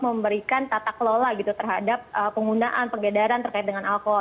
memberikan tata kelola gitu terhadap penggunaan pergedaran terkait dengan alkohol